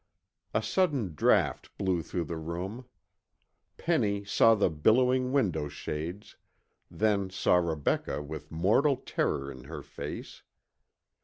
A sudden draft blew through the room. Penny saw the billowing window shades, then saw Rebecca with mortal terror in her face.